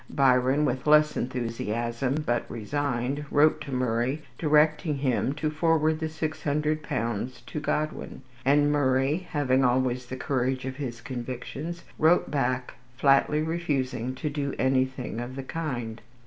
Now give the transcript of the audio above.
Byron, with less enthusiasm, but resigned, wrote to Murray, directing him to forward the six hundred pounds to Godwin; and Murray, having always the courage of his convictions, wrote back, flatly refusing to do anything of the kind.